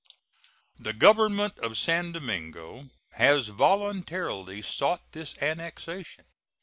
The Government of San Domingo has voluntarily sought this annexation.